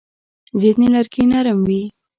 ځینې لرګي نرم وي.